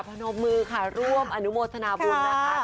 พนมมือค่ะร่วมอนุโมทนาบุญนะคะ